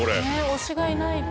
推しがいないって。